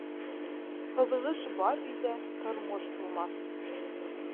Ыҙғыш бар өйҙә тормош булмаҫ